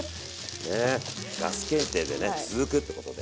ねガス検定でね続くってことで。